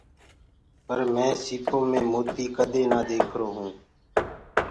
پر مينٚ سيٚپو مي موتي ڪدي نآ ديکرو هونٚ۔